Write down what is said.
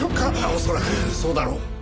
恐らくそうだろう。